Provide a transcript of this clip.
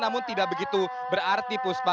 namun tidak begitu berarti puspa